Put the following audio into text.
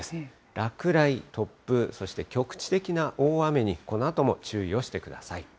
落雷、突風、そして局地的な大雨に、このあとも注意をしてください。